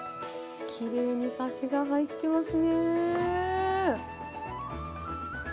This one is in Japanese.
きれいにさしが入ってますね。